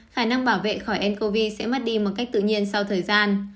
khả năng bảo vệ khỏi ncov sẽ mất đi một cách tự nhiên sau thời gian